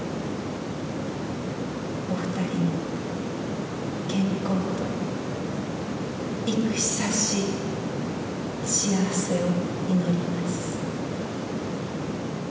お２人の健康と幾久しい幸せを祈ります。